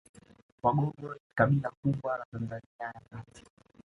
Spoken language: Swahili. Wagogo ni kabila kubwa la Tanzania ya kati